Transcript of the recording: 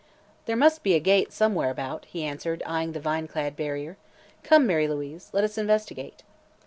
"There must be a gate, somewhere about," he answered, eyeing the vine clad barrier. "Come, Mary Louise, let us investigate."